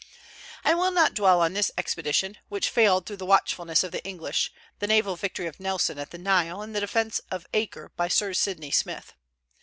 I will not dwell on this expedition, which failed through the watchfulness of the English, the naval victory of Nelson at the Nile, and the defence of Acre by Sir Sidney Smith.